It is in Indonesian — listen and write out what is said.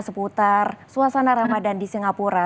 seputar suasana ramadan di singapura